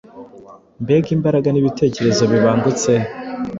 Mbega imbaraga n’ibitekerezo bibangutse,